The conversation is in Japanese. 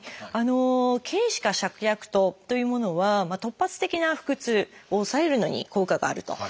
「桂枝加芍薬湯」というものは突発的な腹痛を抑えるのに効果があると。